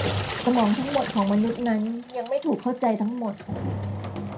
สมองทั้งหมดของมนุษย์นั้นยังไม่ถูกเข้าใจทั้งหมด